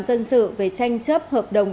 dân sự về tranh chấp hợp đồng